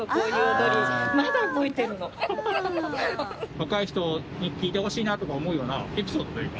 若い人に聴いてほしいなとか思うようなエピソードというか。